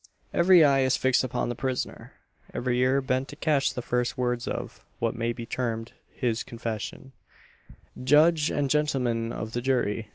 Every eye is fixed upon the prisoner; every ear bent to catch the first words of, what may be termed, his confession. "Judge, and gentlemen of the jury!"